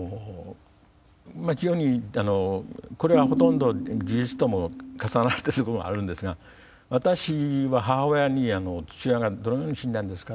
あのこれはほとんど事実とも重なってる部分もあるんですが私は母親に父親がどのように死んだんですか？